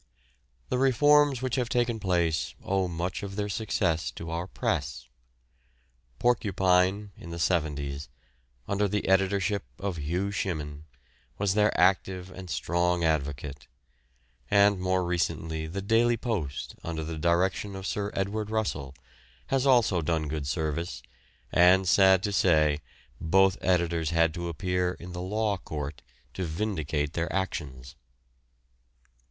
The reforms which have taken place owe much of their success to our press. Porcupine in the 'seventies, under the editorship of Hugh Shimmin, was their active and strong advocate; and more recently the Daily Post under the direction of Sir Edward Russell, has also done good service, and sad to say, both editors had to appear in the law court to vindicate their actions.